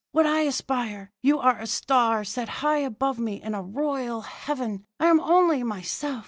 Would I aspire? You are a star set high above me in a royal heaven; I am only myself.